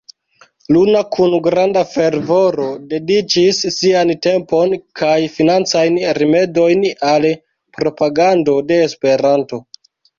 Luna kun granda fervoro dediĉis sian tempon kaj financajn rimedojn al propagando de Esperanto.